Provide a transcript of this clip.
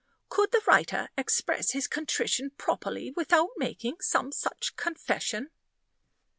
"Could the writer express his contrition properly without making some such confession?"